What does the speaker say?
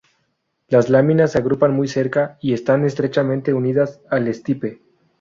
Las láminas se agrupan muy cerca y están estrechamente unidas al estipe.